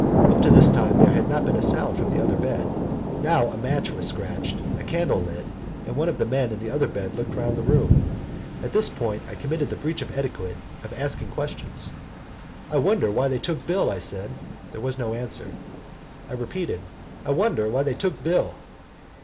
Up to this time there had not been a sound from the other bed. Now a match was scratched, a candle lit, and one of the men in the other bed looked round the room. At this point I committed the breach of etiquette of asking questions. "I wonder why they took Bill," I said. There was no answer, and I repeated, "I wonder why they took Bill."